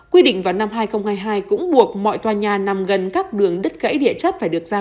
quy định vào năm hai nghìn hai mươi hai cũng buộc mọi tòa nhà nằm gần các đường đứt gãy địa chất phải được ra